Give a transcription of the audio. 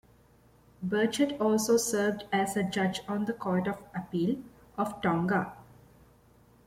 Burchett also served as a judge on the Court of Appeal of Tonga.